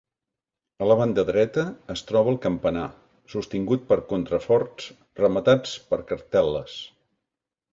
A la banda dreta es troba el campanar, sostingut per contraforts rematats per cartel·les.